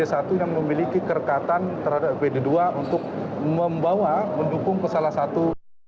dpd satu yang memiliki kerekatan terhadap dpd dua untuk membawa mendukung salah satu